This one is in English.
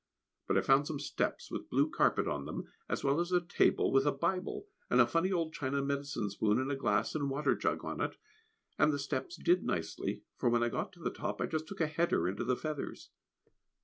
But I found some steps with blue carpet on them, as well as a table with a Bible, and a funny old china medicine spoon, and glass and water jug on it; and the steps did nicely, for when I got to the top, I just took a header into the feathers.